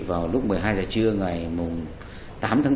vào lúc một mươi hai h trưa ngày tám tháng bốn